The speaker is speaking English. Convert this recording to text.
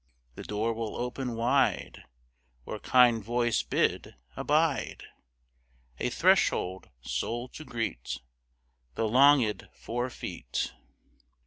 The door will open wide, Or kind voice bid: "Abide, A threshold soul to greet The longed for feet."